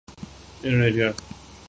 انڈونیثیائی